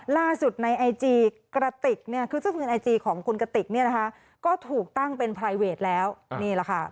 ล่าสุดในไอจีกระติกเนี่ยคือซึ่งเป็นไอจีของคุณกติกเนี่ยนะคะก็ถูกตั้งเป็นไพรเวทแล้วนี่แหละค่ะ